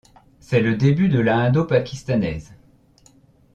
C'est le début de la indo-pakistanaise.